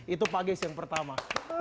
itu pak geis yang pertama